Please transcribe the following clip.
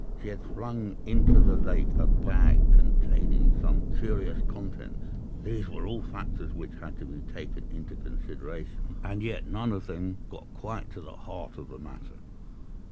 She had flung into the lake a bag containing some curious contents. These were all factors which had to be taken into consideration, and yet none of them got quite to the heart of the matter.